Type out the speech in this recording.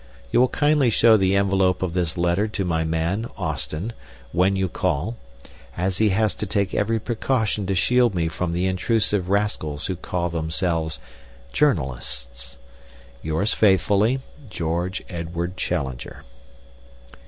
You will kindly show the envelope of this letter to my man, Austin, when you call, as he has to take every precaution to shield me from the intrusive rascals who call themselves 'journalists.' "Yours faithfully, "GEORGE EDWARD CHALLENGER."